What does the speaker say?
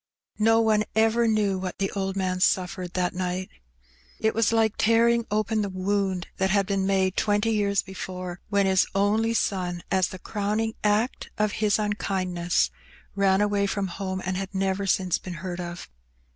No one ever knew what the old man suffered that night. It was like tearing open the wound that had been made Fading Away. 123 twenty years before, when his only son, as the crowning ac5t of his nnkindness, ran away firom home, and had never since been heard of.